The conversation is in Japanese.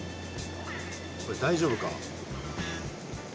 これ大丈夫か？